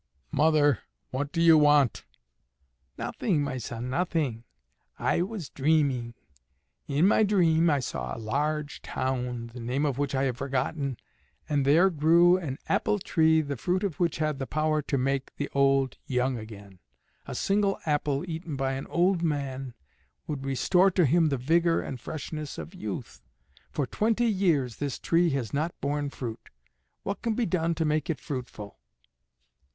"Mother, what do you want?" "Nothing, my son, nothing; I was dreaming. In my dream I saw a large town, the name of which I have forgotten. And there grew an apple tree the fruit of which had the power to make the old young again. A single apple eaten by an old man would restore to him the vigor and freshness of youth. For twenty years this tree has not borne fruit. What can be done to make it fruitful?"